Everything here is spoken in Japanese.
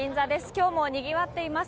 今日も賑わっています。